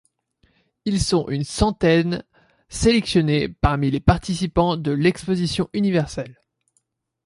Ils sont une centaine, sélectionnés parmi les participants de l'exposition universelle.